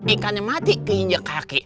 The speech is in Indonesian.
ikan yang mati kinjek kaki